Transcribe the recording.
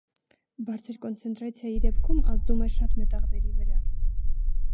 Բարձր կոնցենտրացիայի դեպքում ազդում է շատ մետաղների վրա։